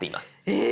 え